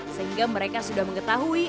sehingga mereka sudah mengetahui